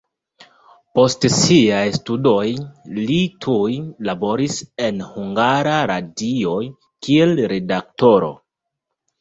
Post siaj studoj li tuj laboris en Hungara Radio kiel redaktoro.